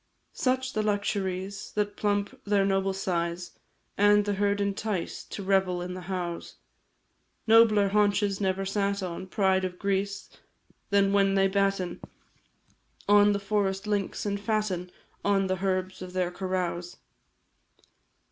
Such the luxuries That plump their noble size, And the herd entice To revel in the howes. Nobler haunches never sat on Pride of grease, than when they batten On the forest links, and fatten On the herbs of their carouse.